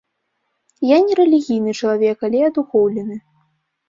Я не рэлігійны чалавек, але адухоўлены.